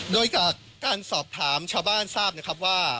โดยจากการสอบถามชาวบ้านทราบนะครับว่า